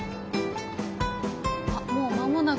あっもう間もなく。